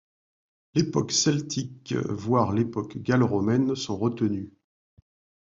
L'époque celtique voire l'époque gallo-romaine sont retenues.